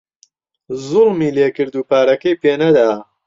زووڵمی لێکرد و پارەکەی پێ نەدا